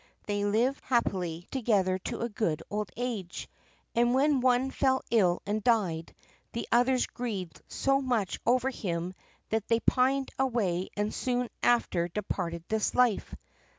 They lived happily together to a good old age, and when one fell ill and died, the others grieved so much over him that they pined away and soon after departed this life.